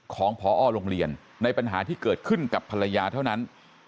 ของพอโรงเรียนในปัญหาที่เกิดขึ้นกับภรรยาเท่านั้น